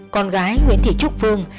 con gái nguyễn thị trúc phương